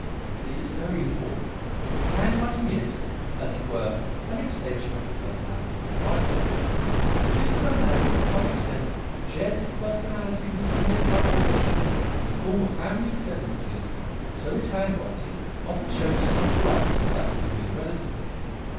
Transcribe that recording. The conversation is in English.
This is very important; for handwriting is, as it were, an extension of the personality of the writer. And just as a man to some extent snares his personality with his near blood relations in the form of family resemblances, so his handwriting often shows a subtle likeness to that of his near relatives.